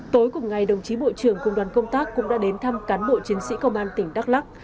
tối cùng ngày đồng chí bộ trưởng công đoàn công tác cũng đã đến thăm cán bộ chiến sĩ công an tỉnh đắk lắc